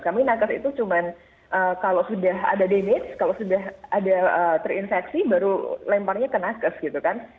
kami nakes itu cuma kalau sudah ada damage kalau sudah ada terinfeksi baru lemparnya ke nakes gitu kan